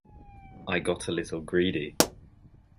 I got a little greedy.